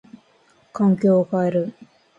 環境を変える。